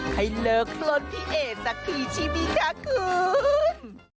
ให้เลิกล้นพี่เอ๋สักทีชีวิตค่ะคุณ